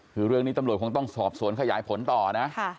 คือเรื่องนี้ตำรวจคงต้องสอบสวนขยายผลต่อนะ